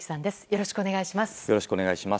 よろしくお願いします。